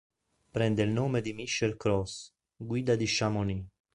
Prende il nome da Michel Croz, guida di Chamonix.